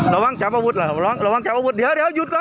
ระวังจับอาวุธละระวังจับอาวุธเดี๋ยวหยุดก่อน